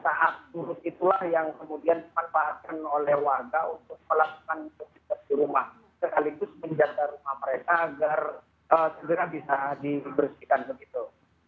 sekaligus menjaga rumah mereka agar segera bisa dibersihkan begitu